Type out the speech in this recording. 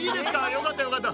よかったよかった。